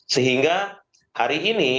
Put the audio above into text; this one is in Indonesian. sehingga hari ini